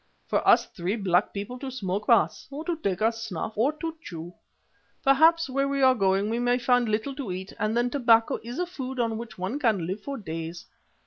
"For us three black people to smoke, Baas, or to take as snuff, or to chew. Perhaps where we are going we may find little to eat, and then tobacco is a food on which one can live for days.